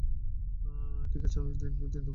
ঠিক আছে, আমি তিন পর্যন্ত গুনছি।